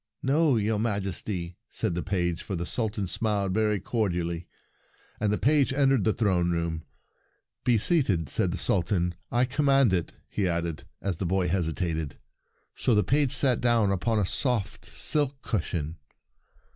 " No, your Majesty," said the page, for the Sultan smiled very cordially ; and the page entered the throne room. " Be seated," said the Sultan ;" I command it! " he added, as the boy hesitated. So the page sat down upon a soft silk cushion.